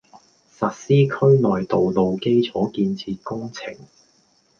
實施區內道路基礎建設工程